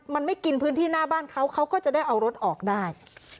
มันไม่กินพื้นที่หน้าบ้านเขาเขาก็จะได้เอารถออกได้